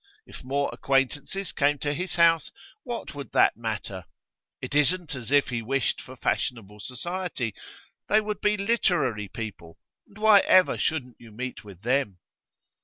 If more acquaintances came to his house, what would that matter? It isn't as if he wished for fashionable society. They would be literary people, and why ever shouldn't you meet with them?